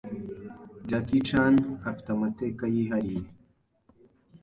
Jackie Chan, afite amateka yihariye